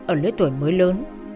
ở lưới tuổi mới lớn